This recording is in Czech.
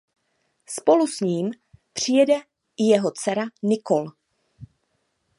Spolu s ním přijede i jeho dcera Nicole.